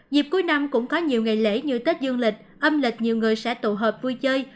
dịp cuối năm cũng có nhiều ngày lễ như tết dương lịch âm lịch nhiều người sẽ tụ hợp vui chơi